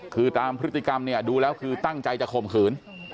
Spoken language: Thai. คือตามพฤติกรรมเนี่ยดูแล้วคือตั้งใจจะข่มขืน